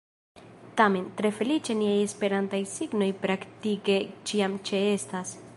Tamen, tre feliĉe niaj esperantaj signoj praktike ĉiam ĉeestas.